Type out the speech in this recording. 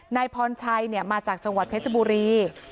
นายพรชัยมาจากจังหวัดเพชรบุรี